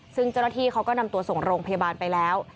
ซึ่งเจ้าหน้าที่เขาก็นำตัวส่งโรงพยาบาลไปแล้ว